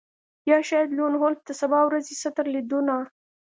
یا شاید لون وولف د سبا ورځې ستر لیدونه